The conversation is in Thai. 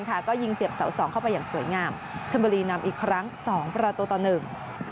ก็ยิงเสียบเสาสองเข้าไปอย่างสวยงามชนบุรีนำอีกครั้งสองประตูต่อหนึ่ง